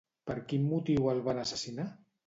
Per quin motiu el van assassinar?